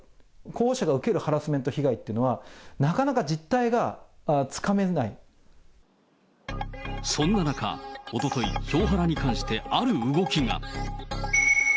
候補者が受けるハラスメント被害っていうのは、なかなか実態がつそんな中、おととい、票ハラに関してある動きが。